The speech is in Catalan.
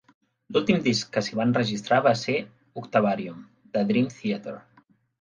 L'últim disc que s'hi va enregistrar va ser "Octavarium" de Dream Theatre.